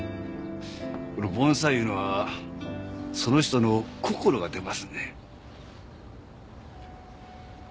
この盆栽いうのはその人の心が出ますねん。